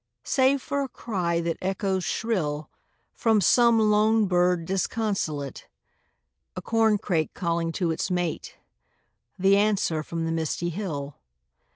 Save for a cry that echoes shrill From some lone bird disconsolate; A corncrake calling to its mate; The answer from the misty hill.